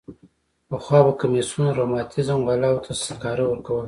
پخوا به کمیسیون رماتیزم والاوو ته سکاره ورکول.